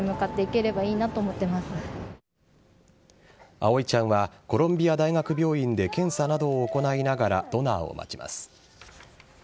葵ちゃんはコロンビア大学病院で検査などを行いながらドナーを待ちます。